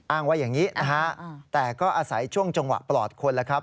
อ้างว่าอย่างนี้นะฮะแต่ก็อาศัยช่วงจังหวะปลอดคนแล้วครับ